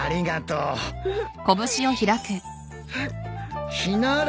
うん。